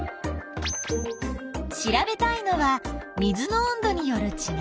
調べたいのは「水の温度」によるちがい。